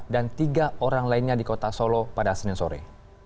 dan tiga orang lainnya di kota solo pada senin sore